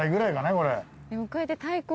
これ。